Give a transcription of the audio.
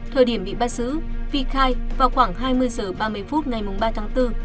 thời điểm bị bắt giữ vi khai vào khoảng hai mươi h ba mươi phút ngày ba tháng bốn